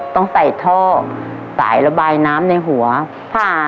ต้องใส่ท่อสายระบายน้ำในหัวค่ะ